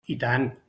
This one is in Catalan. I tant.